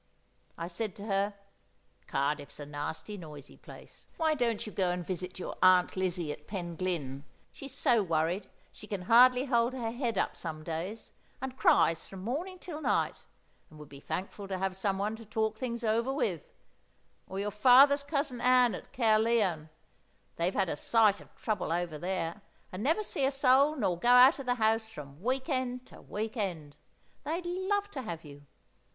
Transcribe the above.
I say to her, 'Cardiff's a nasty noisy place; why don't you go and visit your Aunt Lizzie at Penglyn, she's so worried she can hardly hold her head up some days, and cries from morning till night; and would be thankful to have someone to talk things over with; or your father's Cousin Ann at Caerleon, they've had a sight of trouble there, and never see a soul nor go out of the house from week end to week end; they'd love to have you.